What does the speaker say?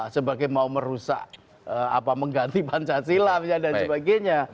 sebagai mau merusak apa mengganti pancasila dan sebagainya